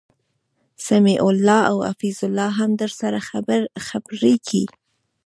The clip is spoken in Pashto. سمیع الله او حفیظ الله هم درسره خبرکی